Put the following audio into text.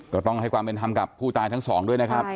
ก็ต้องให้ความเป็นธรรมกับผู้ตายทั้งสองด้วยนะครับ